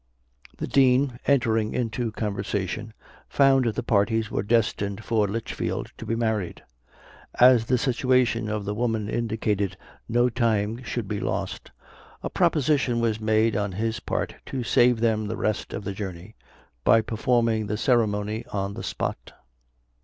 The Dean, entering into conversation, found the parties were destined for Litchfield to be married. As the situation of the woman indicated no time should be lost, a proposition was made on his part to save them the rest of the journey, by performing the ceremony on the spot.